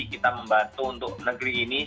kita membantu untuk negeri ini